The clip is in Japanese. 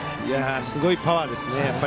すごいパワーですね。